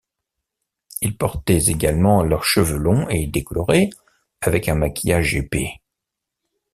Ils portaient également leurs cheveux longs et décolorés, avec un maquillage épais.